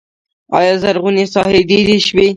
آیا زرغونې ساحې ډیرې شوي؟